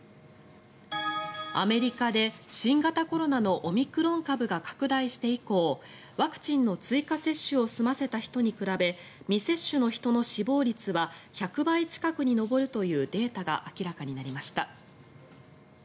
アメリカで新型コロナのオミクロン株が拡大して以降ワクチンの追加接種を済ませた人に比べ未接種の人の死亡率は１００倍近くに上るというデータが明らかになりました。